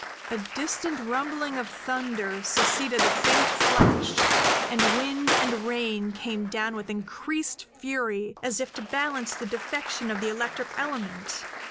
A distant rumbling of thunder succeeded a faint flash, and wind and rain came down with increased fury as if to balance the defection of the electric element.